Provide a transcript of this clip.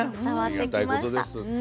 ありがたいことです。